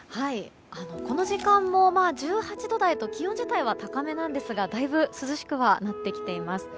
この時間も１８度台と気温自体は高めですがだいぶ涼しくなってきています。